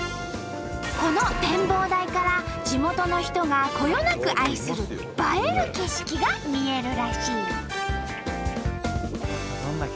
この展望台から地元の人がこよなく愛する映える景色が見えるらしい。